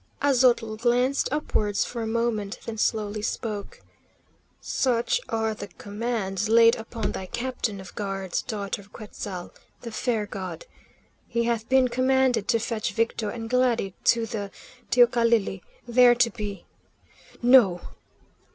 Aztotl glanced upwards for a moment, then slowly spoke: "Such are the commands laid upon thy captain of guards, Daughter of Quetzal', the Fair God. He hath been commanded to fetch Victo and Glady to the teocalli, there to be no!"